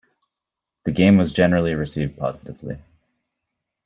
The game was generally received positively.